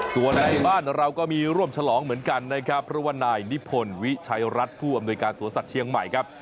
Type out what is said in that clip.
ส่วนในบ้านเราก็มีร่วมฉลองเหมือนกันนะครับเพราะว่านายนิพนธ์วิชัยรัฐผู้อำนวยการสวนสัตว์เชียงใหม่ครับ